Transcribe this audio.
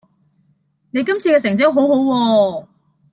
你今次嘅成績好好喎